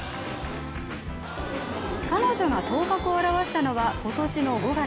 彼女が頭角を現したのは今年の５月。